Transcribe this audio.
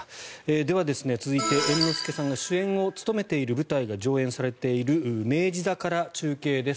では続いて、猿之助さんが主演を務めている舞台が上演されている明治座から中継です。